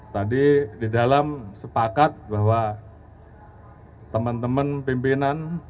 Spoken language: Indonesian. tadi di dalam sepakat bahwa teman teman pimpinan